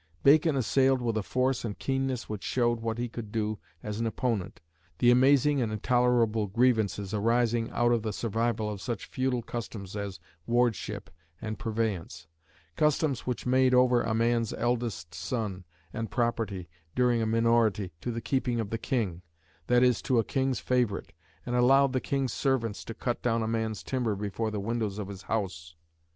Bacon assailed with a force and keenness which showed what he could do as an opponent, the amazing and intolerable grievances arising out of the survival of such feudal customs as Wardship and Purveyance; customs which made over a man's eldest son and property, during a minority, to the keeping of the King, that is, to a King's favourite, and allowed the King's servants to cut down a man's timber before the windows of his house.